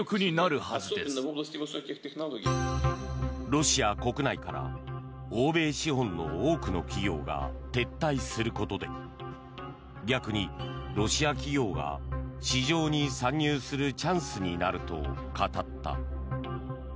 ロシア国内から欧米資本の多くの企業が撤退することで逆にロシア企業が市場に参入するチャンスになると語った。